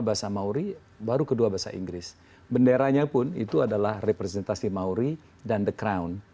bahasa mauri baru kedua bahasa inggris benderanya pun itu adalah representasi mauri dan the crown